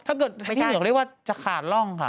ถ้าเกิดที่เหนือเขาเรียกว่าสังขาลร่องค่ะ